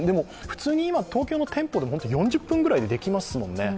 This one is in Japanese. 普通に今、東京の店舗でも４０分ぐらいでできますもんね。